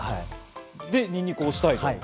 で、にんにくを推したいと。